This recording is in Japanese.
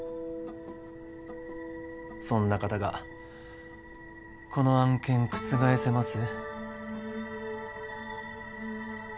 そんな方がこの案件覆せます？